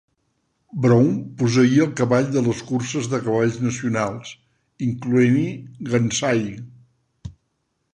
Brown posseïa els cavalls de les curses de cavalls nacionals, incloent-hi Gainsay.